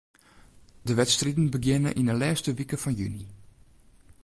De wedstriden begjinne yn 'e lêste wike fan juny.